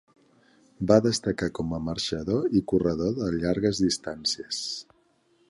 Va destacar com a marxador i corredor de llargues distàncies.